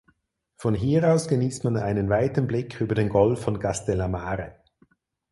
Von hier aus genießt man einen weiten Blick über den Golf von Castellammare.